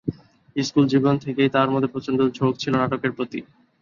School জীবন থেকেই তার প্রচন্ড ঝোঁক ছিলো নাটকের প্রতি।